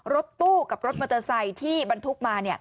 รถตู้กับรถมอเตอร์ไซค์ที่บรรทุกมา